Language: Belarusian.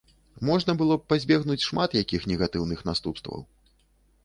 Можна было б пазбегнуць шмат якіх негатыўных наступстваў.